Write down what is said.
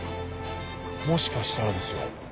もしかしたらですよ